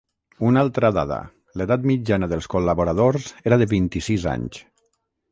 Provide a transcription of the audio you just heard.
Una altra dada: l’edat mitjana dels col·laboradors era de vint-i-sis anys.